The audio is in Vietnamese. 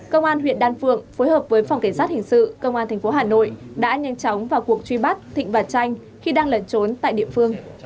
công an huyện đan phượng phối hợp với phòng cảnh sát hình sự công an tp hà nội đã nhanh chóng vào cuộc truy bắt thịnh và tranh khi đang lẩn trốn tại địa phương